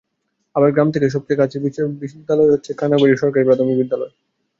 আবার গ্রাম থেকে সবচেয়ে কাছের বিদ্যালয় হচ্ছে কানাগাড়ি সরকারি প্রাথমিক বিদ্যালয়।